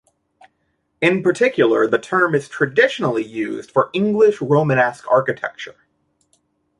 In particular the term is traditionally used for English Romanesque architecture.